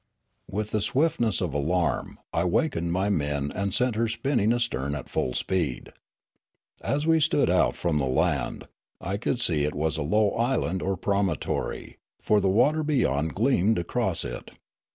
With the swiftness of alarm I wakened my men and sent her spinning astern at full speed. As we stood out from the land, I could see it was a low island or promontory, for the water beyond gleamed across it.